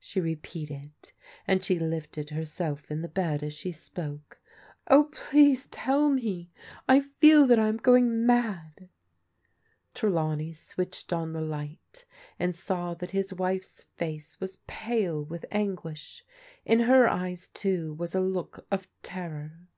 she repeated, and she lifted herself in the bed as she spoke. " Oh, please tell me ! I feel that I am going mad !" Trelawney switched on the light and saw that his wife's face was pale with anguish. In her eyes, too, was a look of terror.